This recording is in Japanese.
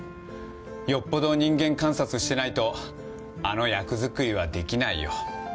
よっぽど人間観察してないとあの役作りはできないよ。